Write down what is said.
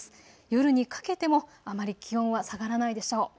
夜にかけてもあまり気温は下がらないでしょう。